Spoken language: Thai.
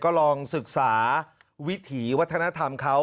ก็ลองศึกษาวิถีวัฒนธรรมเขา